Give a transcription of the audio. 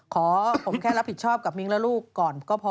ขอผมแค่รับผิดชอบกับมิ้งและลูกก่อนก็พอ